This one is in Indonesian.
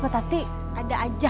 po tatik ada aja